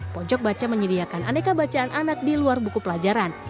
pojok baca menyediakan aneka bacaan anak di luar buku pelajaran